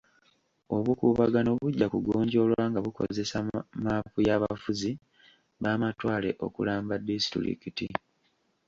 Obukuubagano bujja kugonjoolwa nga bakozesa mmaapu y'abafuzi b'amatwale okulamba disitulikiti.